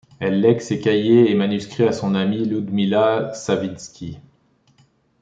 Elle lègue ses cahiers et manuscrits à son amie Ludmila Savitzky.